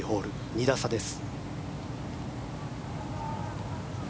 ２打差です。